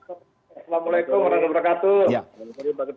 assalamualaikum warahmatullahi wabarakatuh